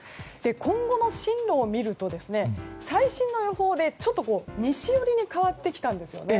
今後の進路を見ると最新の予報で、ちょっと西寄りに変わってきたんですね。